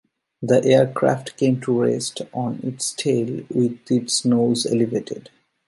The aircraft came to rest on its tail with its nose elevated.